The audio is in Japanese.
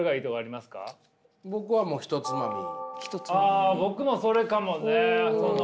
あ僕もそれかもね。